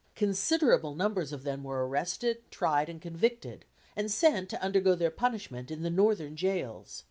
Considerable numbers of them were arrested, tried, and convicted, and sent to undergo their punishment in the Northern jails.